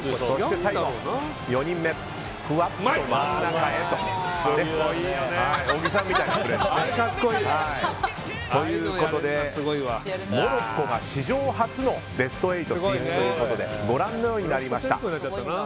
最後は４人目ふわっと真ん中へと。ということでモロッコが史上初のベスト８進出ということでご覧のようになりました。